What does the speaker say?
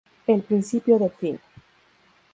El principio del fin.